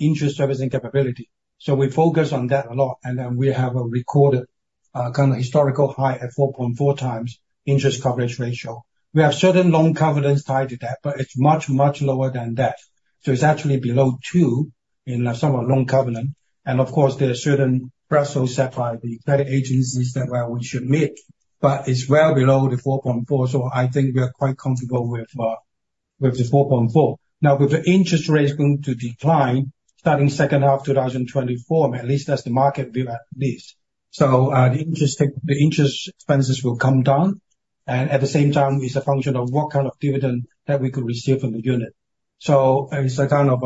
interest servicing capability. So we focus on that a lot. And then we have a recorded kind of historical high at 4.4 times interest coverage ratio. We have certain loan covenants tied to that, but it's much, much lower than that. So it's actually below two in some of our loan covenant. And of course, there are certain thresholds set by the credit agencies that, well, we should meet, but it's well below the 4.4. So I think we are quite comfortable with the 4.4. Now, with the interest rates going to decline starting second half 2024, at least that's the market view at least. So the interest expenses will come down. At the same time, it's a function of what kind of dividend that we could receive from the unit. So it's a kind of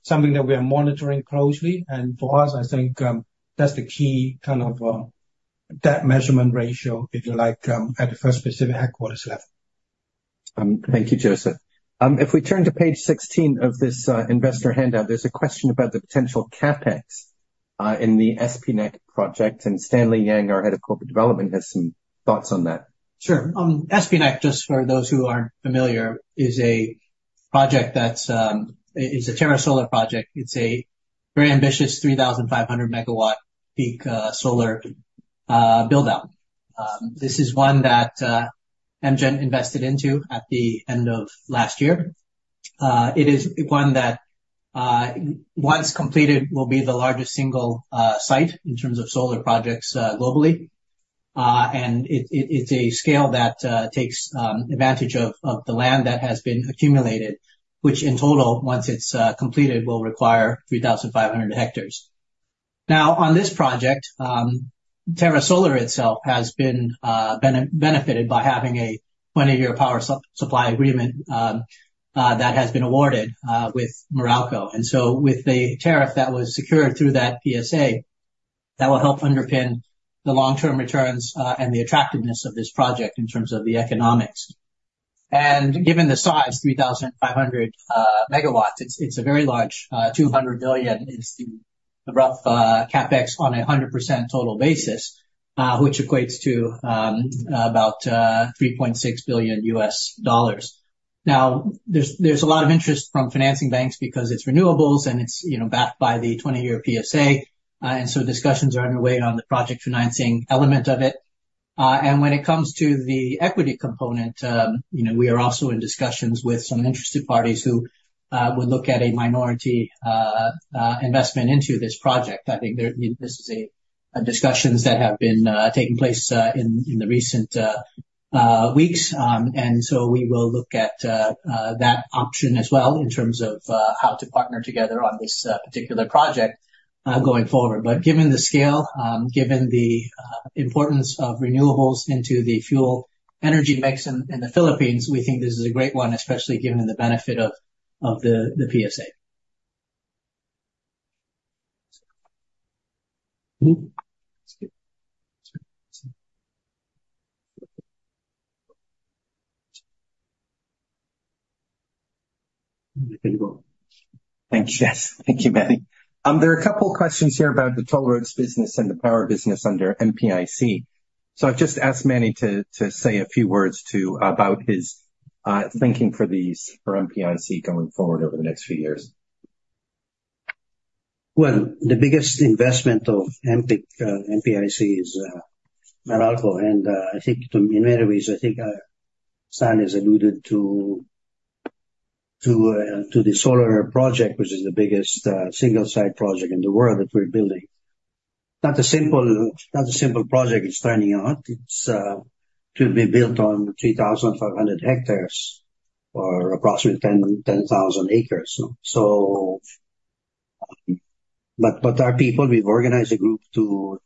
something that we are monitoring closely. And for us, I think that's the key kind of debt measurement ratio, if you like, at the First Pacific headquarters level. Thank you, Joseph. If we turn to page 16 of this investor handout, there's a question about the potential CapEx in the SPNEC project. And Stanley Yang, our head of corporate development, has some thoughts on that. Sure. SPNEC, just for those who aren't familiar, is a project that's a Terra Solar project. It's a very ambitious 3,500-MW peak solar buildout. This is one that MGEN invested into at the end of last year. It is one that, once completed, will be the largest single site in terms of solar projects globally. And it's a scale that takes advantage of the land that has been accumulated, which in total, once it's completed, will require 3,500 hectares. Now, on this project, Terra Solar itself has been benefited by having a 20-year power supply agreement that has been awarded with Meralco. And so with the tariff that was secured through that PSA, that will help underpin the long-term returns and the attractiveness of this project in terms of the economics. And given the size, 3,500 MWs, it's a very large. 200 billion is the rough CapEx on a 100% total basis, which equates to about $3.6 billion. Now, there's a lot of interest from financing banks because it's renewables and it's backed by the 20-year PSA. And so discussions are underway on the project financing element of it. And when it comes to the equity component, we are also in discussions with some interested parties who would look at a minority investment into this project. I think this is discussions that have been taking place in the recent weeks. And so we will look at that option as well in terms of how to partner together on this particular project going forward. But given the scale, given the importance of renewables into the fuel energy mix in the Philippines, we think this is a great one, especially given the benefit of the PSA. Thanks, Jeff. Thank you, Manny. There are a couple of questions here about the toll roads business and the power business under MPIC. So I've just asked Manny to say a few words about his thinking for MPIC going forward over the next few years. Well, the biggest investment of MPIC is Meralco. And I think in many ways, I think Stan has alluded to the solar project, which is the biggest single-site project in the world that we're building. Not a simple project, it's turning out. It's to be built on 3,500 hectares or approximately 10,000 acres. But our people, we've organized a group to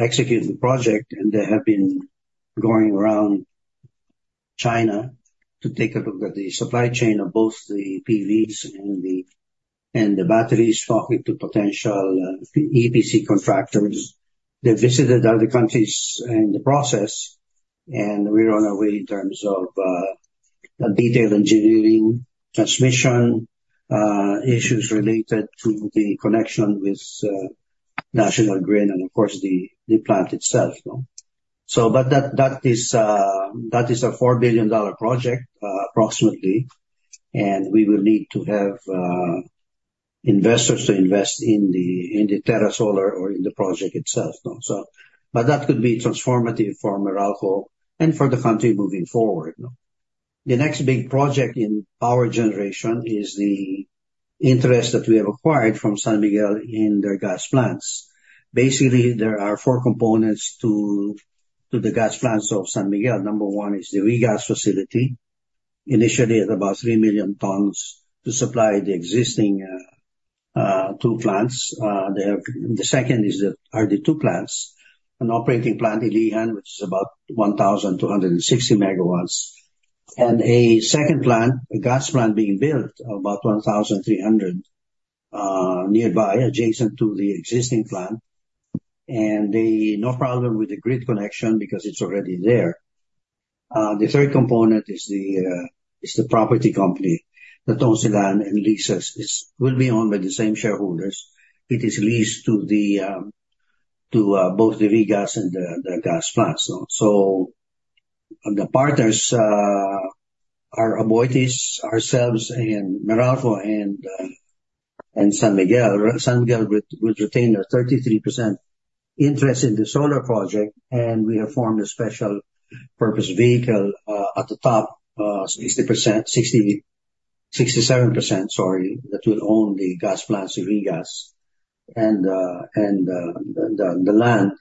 execute the project. And they have been going around China to take a look at the supply chain of both the PVs and the batteries, talking to potential EPC contractors. They visited other countries in the process. And we're on our way in terms of detailed engineering, transmission issues related to the connection with National Grid and, of course, the plant itself. But that is a $4 billion project, approximately. And we will need to have investors to invest in the Terra Solar or in the project itself. But that could be transformative for Meralco and for the country moving forward. The next big project in power generation is the interest that we have acquired from San Miguel in their gas plants. Basically, there are four components to the gas plants of San Miguel. Number one is the regas facility, initially at about 3 million tons to supply the existing two plants. The second are the two plants, an operating plant in Ilijan, which is about 1,260 MWs, and a second plant, a gas plant being built about 1,300 nearby, adjacent to the existing plant. And no problem with the grid connection because it's already there. The third component is the property company that owns the land and leases. It will be owned by the same shareholders. It is leased to both the regas and the gas plants. The partners are Aboitiz, ourselves, and Meralco and San Miguel. San Miguel would retain a 33% interest in the solar project. We have formed a special purpose vehicle at the top, 67%, sorry, that will own the gas plants, the regas, and the land.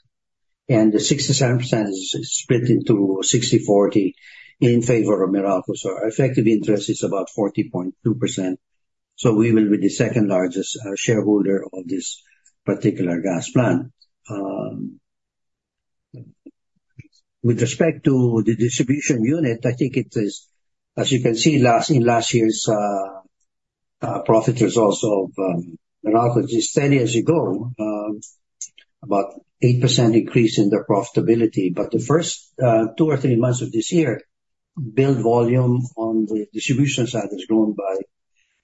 The 67% is split into 60/40 in favor of Meralco. Effective interest is about 40.2%. We will be the second largest shareholder of this particular gas plant. With respect to the distribution unit, I think it is, as you can see, in last year's profit results of Meralco, it's steady as you go, about 8% increase in their profitability. The first two or three months of this year, billed volume on the distribution side has grown by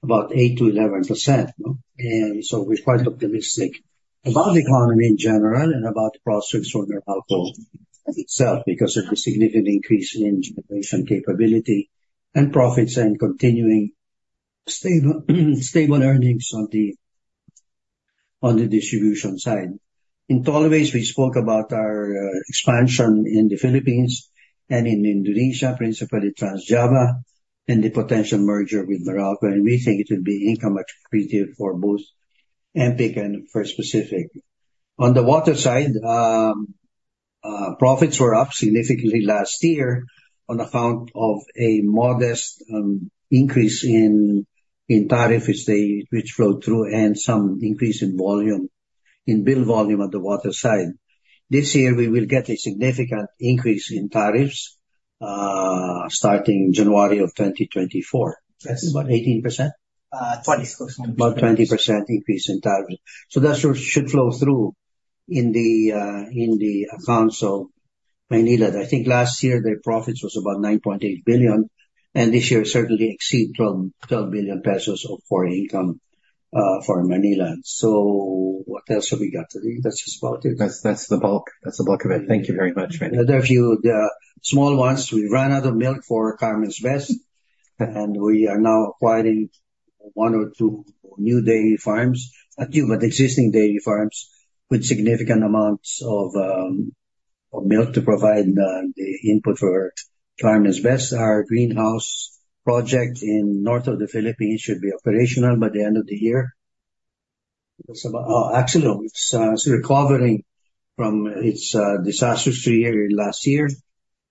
about 8%-11%. We're quite optimistic about the economy in general and about the prospects for Meralco itself because of the significant increase in generation capability and profits and continuing stable earnings on the distribution side. In tollways, we spoke about our expansion in the Philippines and in Indonesia, principally Trans-Java, and the potential merger with Meralco. We think it will be income attractive for both MPIC and First Pacific. On the water side, profits were up significantly last year on account of a modest increase in tariffs which flowed through and some increase in billed volume at the water side. This year, we will get a significant increase in tariffs starting January of 2024. That's about 18%? 20%. About 20% increase in tariffs. So that should flow through in the accounts of Meralco. I think last year, their profits was about 9.8 billion. And this year, it certainly exceeds 12 billion pesos of core income for Meralco. So what else have we got today? That's just about it. That's the bulk of it. Thank you very much, Manny. There are a few small ones. We ran out of milk for Carmen's Best, and we are now acquiring one or two new dairy farms at you, but existing dairy farms with significant amounts of milk to provide the input for Carmen's Best. Our greenhouse project in the north of the Philippines should be operational by the end of the year. Oh, actually, it's recovering from its disastrous year last year.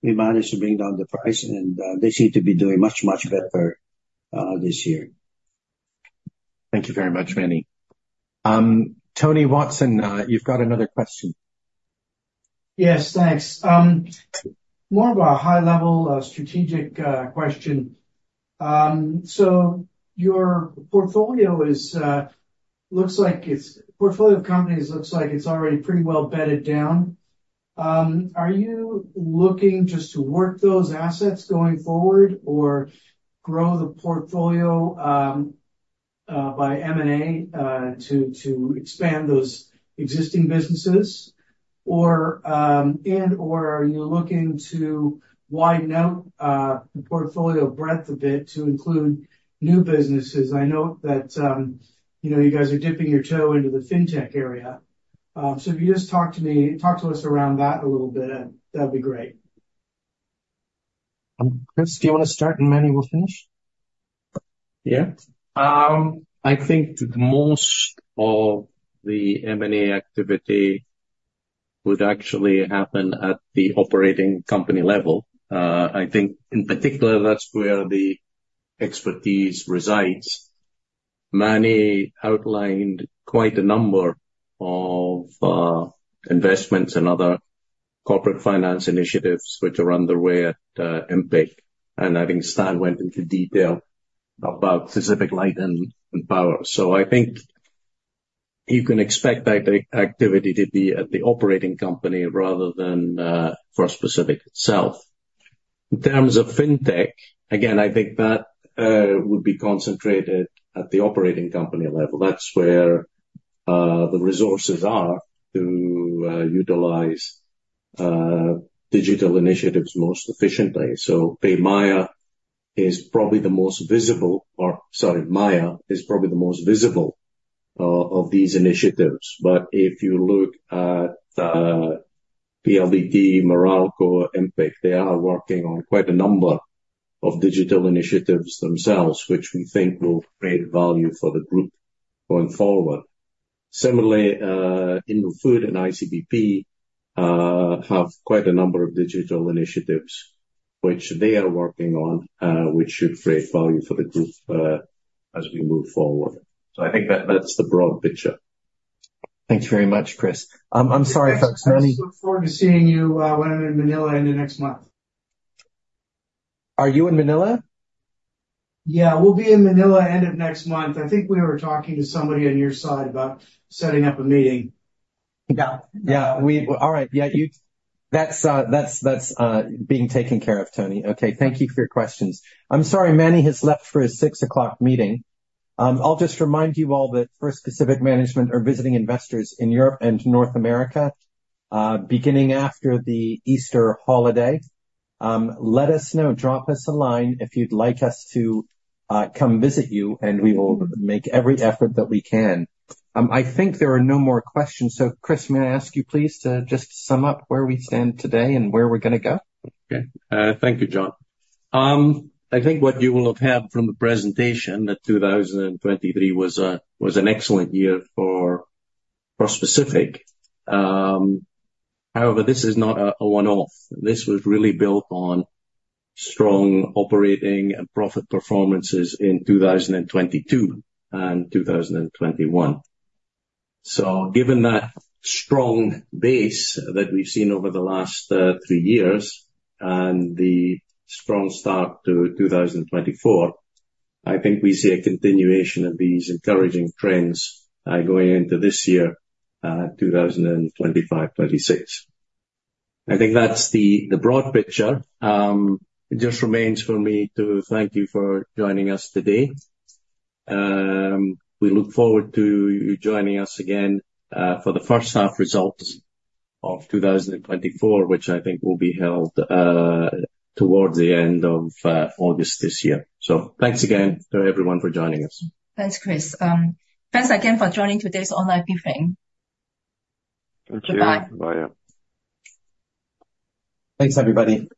We managed to bring down the price, and they seem to be doing much, much better this year. Thank you very much, Manny. Tony Watson, you've got another question. Yes, thanks. More of a high-level strategic question. So your portfolio looks like it's the portfolio of companies looks like it's already pretty well bedded down. Are you looking just to work those assets going forward or grow the portfolio by M&A to expand those existing businesses? And/or are you looking to widen out the portfolio breadth a bit to include new businesses? I know that you guys are dipping your toe into the fintech area. So if you just talk to us around that a little bit, that'd be great. Chris, do you want to start and Manny will finish? Yeah. I think most of the M&A activity would actually happen at the operating company level. I think, in particular, that's where the expertise resides. Manny outlined quite a number of investments and other corporate finance initiatives which are underway at MPIC. And I think Stan went into detail about PacificLight Power. So I think you can expect that activity to be at the operating company rather than First Pacific itself. In terms of fintech, again, I think that would be concentrated at the operating company level. That's where the resources are to utilize digital initiatives most efficiently. So PayMaya is probably the most visible or sorry, Maya is probably the most visible of these initiatives. But if you look at PLDT, Meralco, MPIC, they are working on quite a number of digital initiatives themselves, which we think will create value for the group going forward. Similarly, Indofood and ICBP have quite a number of digital initiatives which they are working on, which should create value for the group as we move forward. So I think that's the broad picture. Thanks very much, Chris. I'm sorry, folks. Manny. I look forward to seeing you when I'm in Manila end of next month. Are you in Manila? Yeah, we'll be in Manila end of next month. I think we were talking to somebody on your side about setting up a meeting. Yeah. Yeah. All right. Yeah, that's being taken care of, Tony. Okay. Thank you for your questions. I'm sorry, Manny has left for his six o'clock meeting. I'll just remind you all that First Pacific management are visiting investors in Europe and North America beginning after the Easter holiday. Let us know. Drop us a line if you'd like us to come visit you, and we will make every effort that we can. I think there are no more questions. So, Chris, may I ask you, please, to just sum up where we stand today and where we're going to go? Okay. Thank you, John. I think what you will have heard from the presentation, that 2023 was an excellent year for First Pacific. However, this is not a one-off. This was really built on strong operating and profit performances in 2022 and 2021. So given that strong base that we've seen over the last three years and the strong start to 2024, I think we see a continuation of these encouraging trends going into this year, 2025, 2026. I think that's the broad picture. It just remains for me to thank you for joining us today. We look forward to you joining us again for the first half results of 2024, which I think will be held towards the end of August this year. So thanks again to everyone for joining us. Thanks, Chris. Thanks again for joining today's online briefing. Thank you. Goodbye. Goodbye. Thanks, everybody.